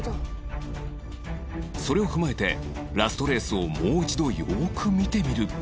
それを踏まえてラストレースをもう一度よく見てみると